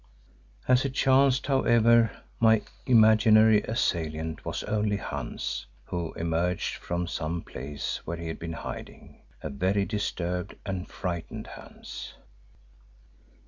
As it chanced, however, my imaginary assailant was only Hans, who emerged from some place where he had been hiding; a very disturbed and frightened Hans.